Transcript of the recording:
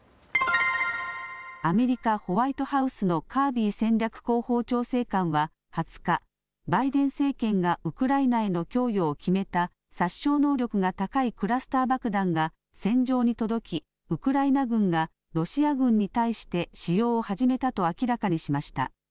アメリカ・ホワイトハウスのカービー戦略広報調整官は２０日、バイデン政権がウクライナへの供与を決めた殺傷能力が高いクラスター爆弾が戦場に届きウクライナ軍がロシア軍に対して使用を始めたと明らかにしました。